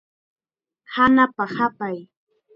Hanapa hapay.